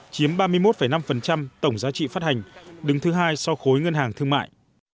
chiếm ba mươi một năm tổng giá trị phát hành đứng thứ hai so với khối ngân hàng thương mại